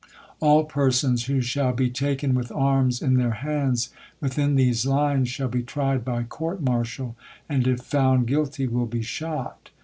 .. All persons who shall be taken with arms in their hands within these hues shall be tried by court martial, and if found gmlty will be shot.